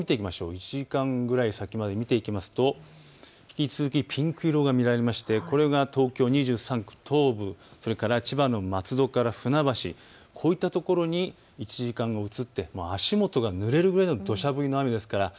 １時間ぐらい先まで見ていきますと引き続きピンク色が見られまして、これが東京２３区東部、千葉の松戸から船橋、こういったところに１時間後に移って足元がぬれるぐらいのどしゃ降りとなります。